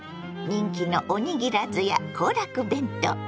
人気のおにぎらずや行楽弁当！